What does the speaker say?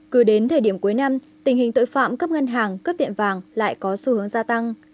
cứ đến thời điểm cuối năm tình hình tội phạm cấp ngân hàng cấp tiện vàng lại có xu hướng gia tăng